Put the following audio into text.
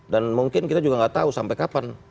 dan mungkin kita juga gak tau sampai kapan